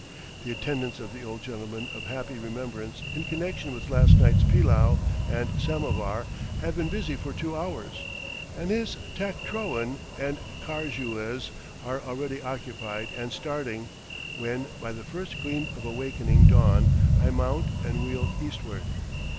The attendants of the old gentleman of happy remembrance in connection with last night's pillau and samovar, have been busy for two hours, and his taktrowan and kajauehs are already occupied and starting, when by the first gleam of awakening dawn I mount and wheel eastward.